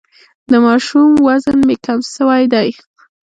د ماشوم وزن مي کم سوی دی.